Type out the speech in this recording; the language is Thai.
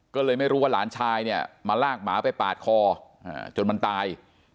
ก็เลยไม่รู้ว่าหลานชายเนี่ยมาลากหมาไปปาดคอจนมันตาย